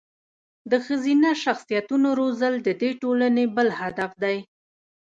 د ښځینه شخصیتونو روزل د دې ټولنې بل هدف دی.